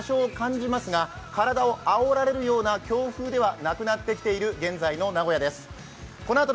風も多少感じますが、体をあおられるような強風ではなくなってきている現在の名古屋です。